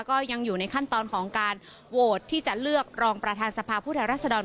ก็ยังอยู่ในขั้นตอนของการโหวตที่จะเลือกรองประธานสภาพผู้แทนรัศดร